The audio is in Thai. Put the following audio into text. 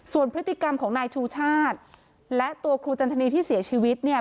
ส่วนพฤติกรรมของนายชูชาติและตัวครูจันทนีที่เสียชีวิตเนี่ย